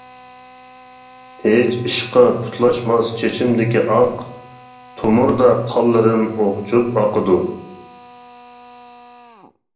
ھېچ ئىشقا پۇتلاشماس چېچىمدىكى ئاق، تومۇردا قانلىرىم ئوقچۇپ ئاقىدۇ.